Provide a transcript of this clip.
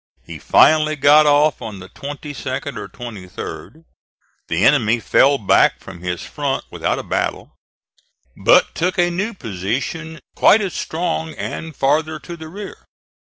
He finally got off on the 22d or 23d. The enemy fell back from his front without a battle, but took a new position quite as strong and farther to the rear.